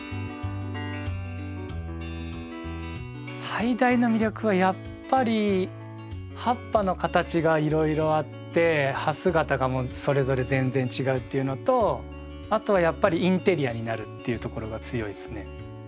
最大の魅力はやっぱり葉っぱの形がいろいろあって葉姿がもうそれぞれ全然違うっていうのとあとはやっぱりインテリアになるっていうところが強いですね。